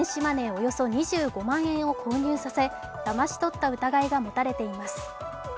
およそ２５万円を購入させ、だまし取った疑いが持たれています。